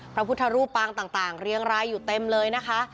พระพุทธรูปปางต่างเรียงรายอยู่เต็มเลยนะคะ